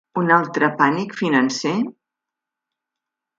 Un altre pànic financer?